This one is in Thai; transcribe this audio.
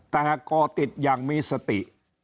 แต่ก่อติดอย่างมีสติ